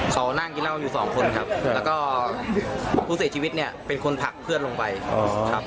เขานั่งกินเหล้าอยู่สองคนครับแล้วก็ผู้เสียชีวิตเนี่ยเป็นคนผลักเพื่อนลงไปครับ